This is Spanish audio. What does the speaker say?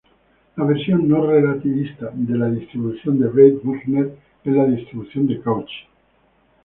La versión no relativista de la distribución de Breit-Wigner es la distribución de Cauchy.